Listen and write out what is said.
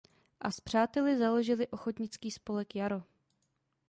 A s přáteli založil ochotnický spolek Jaro.